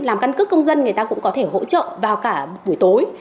làm căn cước công dân người ta cũng có thể hỗ trợ vào cả buổi tối